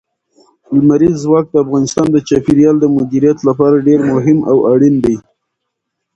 لمریز ځواک د افغانستان د چاپیریال د مدیریت لپاره ډېر مهم او اړین دي.